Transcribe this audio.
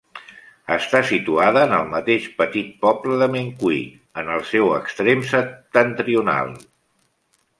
Està situada en el mateix petit poble de Mencui, en el seu extrem septentrional.